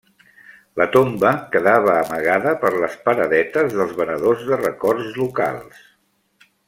La tomba quedava amagada per les paradetes dels venedors de records locals.